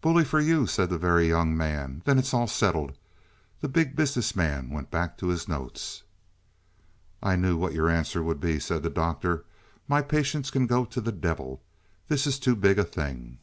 "Bully for you," said the Very Young Man. "Then it's all settled." The Big Business Man went back to his notes. "I knew what your answer would be," said the Doctor. "My patients can go to the devil. This is too big a thing."